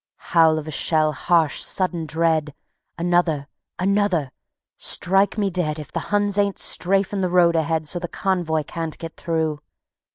Howl of a shell, harsh, sudden, dread; Another ... another. ... "Strike me dead If the Huns ain't strafing the road ahead So the convoy can't get through!